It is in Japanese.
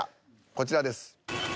こちらです。